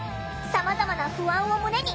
さまざまな不安を胸に入店。